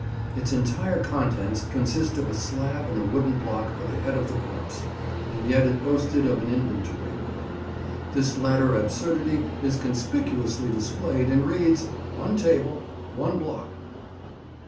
Its entire contents consist of a slab and a wooden block for the head of the corpse, and yet it boasted of an inventory board. This latter absurdity is conspicuously displayed, and reads— "ONE TABLE." "ONE BLOCK."